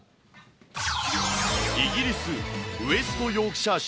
イギリス・ウェスト・ヨークシャー州。